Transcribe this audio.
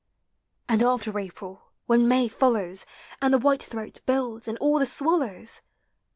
And after April, when May follows And the white throat builds, and all the swallows!